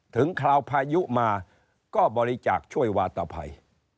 คราวพายุมาก็บริจาคช่วยวาตภัย